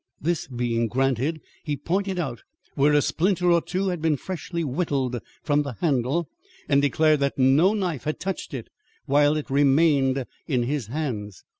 This being granted, he pointed out where a splinter or two had been freshly whittled from the handle, and declared that no knife had touched it while it remained in his hands.